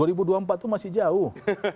dua ribu dua puluh empat itu masih jauh